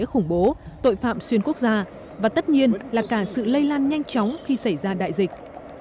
khủng bố tội phạm xuyên quốc gia và tất nhiên là cả sự lây lan nhanh chóng khi xảy ra đại dịch